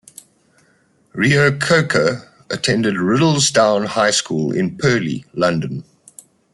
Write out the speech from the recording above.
Reo-Coker attended Riddlesdown High School in Purley, London.